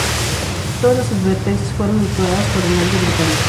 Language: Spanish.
Todas las advertencias fueron ignoradas por el navío británico.